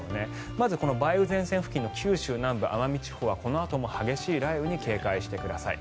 まずこの梅雨前線付近の九州南部奄美地方はこのあとも激しい雷雨に警戒してください。